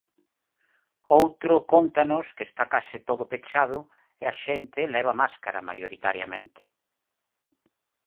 Outro cóntanos que está case todo pechado e a xente leva máscara maioritariamente.